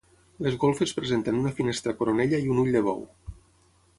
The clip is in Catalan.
Les golfes presenten una finestra coronella i un ull de bou.